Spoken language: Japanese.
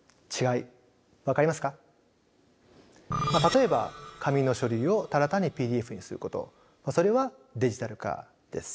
例えば紙の書類をただ単にＰＤＦにすることそれはデジタル化です。